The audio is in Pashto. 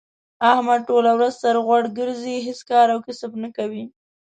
احمد ټوله ورځ سر غوړ ګرځی، هېڅ کار او کسب نه کوي.